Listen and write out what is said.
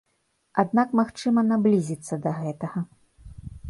Аднак магчыма наблізіцца да гэтага.